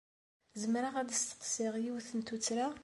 Zemreɣ ad d-sseqsiɣ yiwet n tuttra?